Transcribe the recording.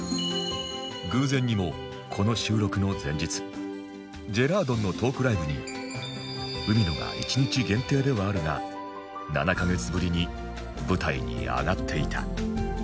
偶然にもこの収録の前日ジェラードンのトークライブに海野が１日限定ではあるが７カ月ぶりに舞台に上がっていた